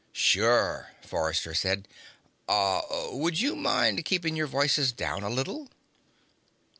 "Sure," Forrester said. "Uh would you mind keeping your voices down a little?"